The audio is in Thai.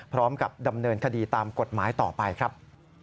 พร้อมกับดำเนินคดีตามกฎหมายต่อไปครับ